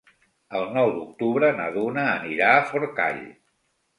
El nou d'octubre na Duna anirà a Forcall.